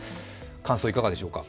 感想いかがでしょうか？